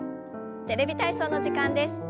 「テレビ体操」の時間です。